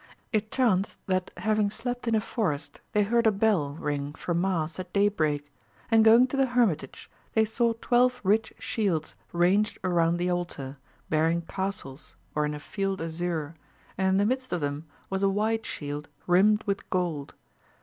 It chanced that having slept in a forest, they heard a bell ring for mass at day break, and going to the hermitage they saw twelve rich shields ranged around the altar, bearing castles or in a field azure, and in the midst of them was a white shield rimmed with gold.